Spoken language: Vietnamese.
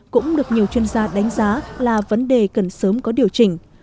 cũng được nhiều chuyên gia đánh giá là vấn đề cần sớm có điều chỉnh